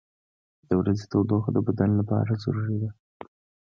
• د ورځې تودوخه د بدن لپاره ضروري ده.